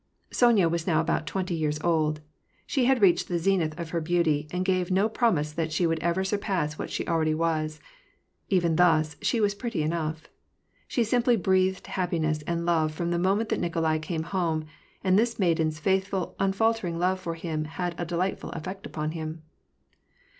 Sonya was now about twenty years old. She had reached the zenith of her beauty, and gave no promise that she would ever surpass what she already was ; even thus, she was pretty enough. She simply breathed happiness and love from the moment that Nikolai came home, and this maiden's faithful, unfaltering love for him had a delightful effect upon him.